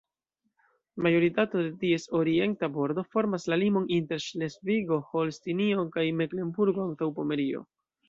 Majoritato de ties orienta bordo formas la limon inter Ŝlesvigo-Holstinio kaj Meklenburgo-Antaŭpomerio.